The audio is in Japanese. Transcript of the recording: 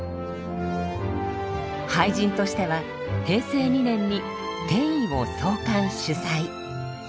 俳人としては平成２年に「天為」を創刊・主宰。